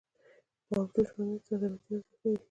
د ابجوش ممیز صادراتي ارزښت لري.